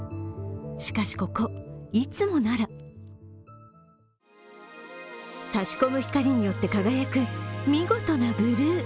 しかしここ、いつもなら差し込む光によって輝く見事なブルー。